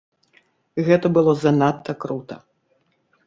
Гэта было занадта крута!